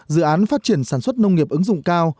dự án phát triển sản xuất nông nghiệp ứng dụng cao